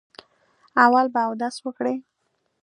اول به اودس وکړئ.